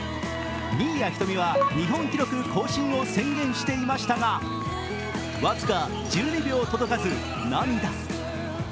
新谷仁美は日本記録更新を宣言していましたが僅か１２秒届かず涙。